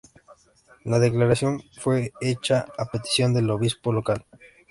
La declaración fue hecha a petición del obispo local.